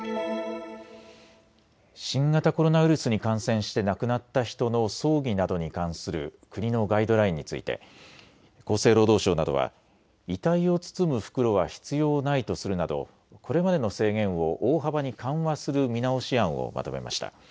新型コロナウイルスに感染して亡くなった人の葬儀などに関する国のガイドラインについて厚生労働省などは遺体を包む袋は必要ないとするなどこれまでの制限を大幅に緩和する見直し案をまとめました。